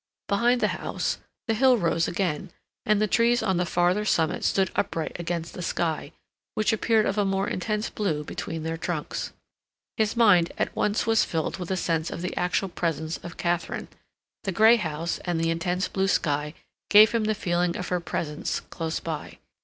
Behind the house the hill rose again, and the trees on the farther summit stood upright against the sky, which appeared of a more intense blue between their trunks. His mind at once was filled with a sense of the actual presence of Katharine; the gray house and the intense blue sky gave him the feeling of her presence close by.